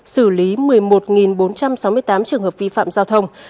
xử lý một mươi một bốn trăm sáu mươi tám trường hợp vi phạm giao thông